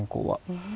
うん。